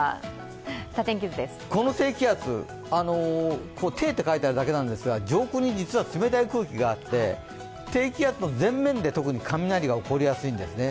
この低気圧、「低」と書いてあるだけですが上空に実は冷たい空気があって低気圧の前面で特に雷が起こりやすいんですね、